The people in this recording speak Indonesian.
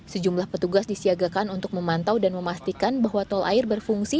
sejumlah petugas disiagakan untuk memantau dan memastikan bahwa tol air berfungsi